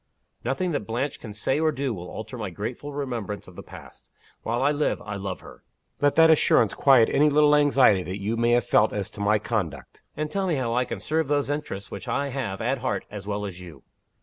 Nothing that Blanche can say or do will alter my grateful remembrance of the past. While I live, I love her. Let that assurance quiet any little anxiety that you may have felt as to my conduct and tell me how I can serve those interests which I have at heart as well as you."